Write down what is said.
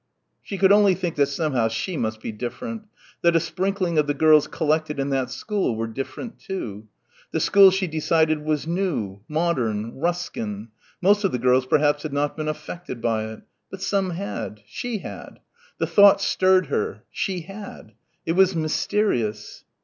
She could only think that somehow she must be "different"; that a sprinkling of the girls collected in that school were different, too. The school she decided was new modern Ruskin. Most of the girls perhaps had not been affected by it. But some had. She had. The thought stirred her. She had. It was mysterious.